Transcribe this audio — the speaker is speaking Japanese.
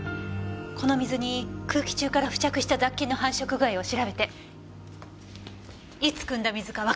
この水に空気中から付着した雑菌の繁殖具合を調べていつ汲んだ水かわかりませんか？